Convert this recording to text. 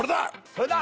それだ！